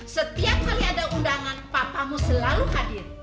setiap kali ada undangan papa mu selalu hadir